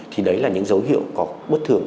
thì đấy là những dấu hiệu có bất thường